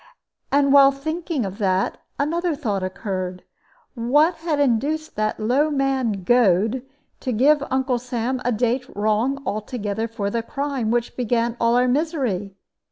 And while thinking of that, another thought occurred What had induced that low man Goad to give Uncle Sam a date wrong altogether for the crime which began all our misery?